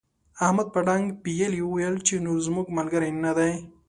احمد په ډانګ پېيلې وويل چې نور زموږ ملګری نه دی.